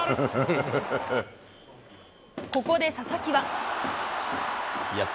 ここで佐々木は。